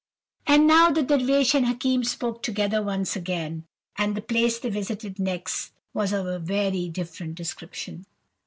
"And now the Dervish and Hakim spoke together once again, and the place they visited next was of a very different description.